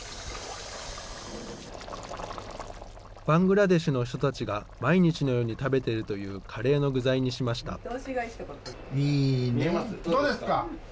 バングラデシュの人たちが毎日のように食べているというカレーの具材にしました。